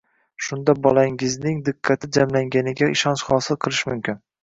Shunda bolangizning diqqati jamlanganiga ishonch hosil qilish mumkin.